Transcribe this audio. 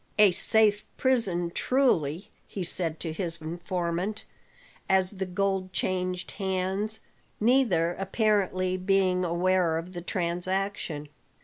"A safe prison, truly," he said to his informant, as the gold changed hands neither apparently being aware of the transaction.